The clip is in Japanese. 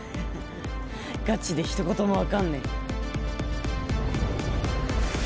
ガチで一言も分かんねえ